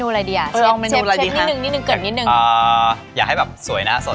คืออะไรกินอโวคาโดรสวยหน้าสด